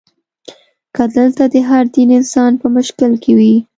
که دلته د هر دین انسان په مشکل کې وي.